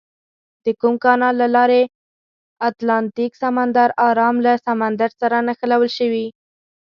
د کوم کانال له لارې اتلانتیک سمندر ارام له سمندر سره نښلول شوي؟